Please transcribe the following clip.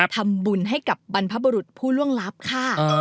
ทำบุญให้กับบรรพบุรุษผู้ล่วงลับค่ะ